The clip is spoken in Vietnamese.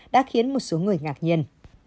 đã khiến một số người ngạc nhiên